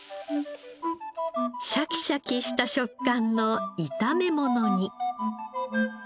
シャキシャキした食感の炒め物に。